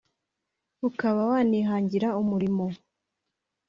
ukaba wanihangira umurimo